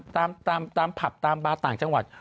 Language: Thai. ตามผับตามบาร์ต่างจังหวัด